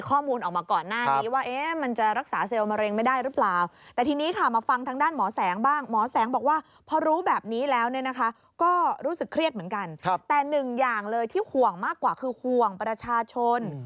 ก็รู้สึกเครียดเหมือนกันแต่หนึ่งอย่างเลยที่ห่วงมากกว่าคือห่วงประชาชน